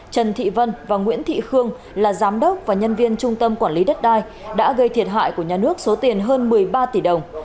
trần thị vân và nguyễn thị khương là giám đốc và nhân viên trung tâm quản lý đất đai đã gây thiệt hại của nhà nước số tiền hơn một mươi ba tỷ đồng